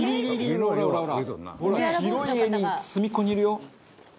「ほら広い画に隅っこにいるよ」